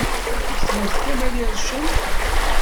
Tessnemt Kamel Ircen?